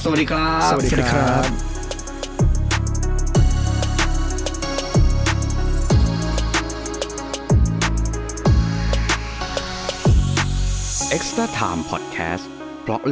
สวัสดีครับ